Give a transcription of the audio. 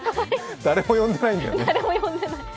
誰も呼んでないんだよね。